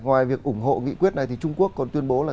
ngoài việc ủng hộ nghị quyết này thì trung quốc còn tuyên bố là